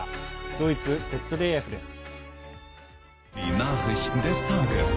ドイツＺＤＦです。